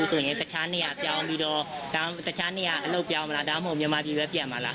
ซึ่งสงสารที่สุดค่านี้ก็อยู่ในห้องที่ชั้น